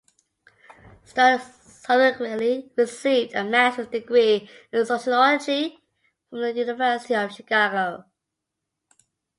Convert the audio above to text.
Stone subsequently received a master's degree in sociology from the University of Chicago.